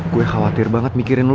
gue khawatir banget mikirin lo